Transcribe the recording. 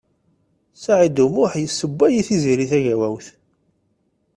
Saɛid U Muḥ yessewway i Tiziri Tagawawt.